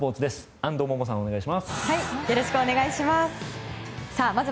安藤萌々さん、お願いします。